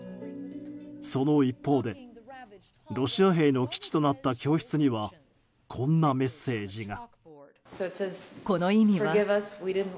その一方でロシア兵の基地となった教室にはこんなメッセージが。